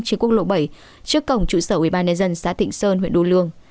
trên quốc lộ bảy trước cổng trụ sở ubnd xã tịnh sơn huyện đô lương